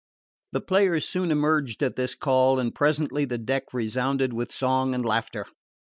The players soon emerged at this call and presently the deck resounded with song and laughter.